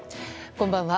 こんばんは。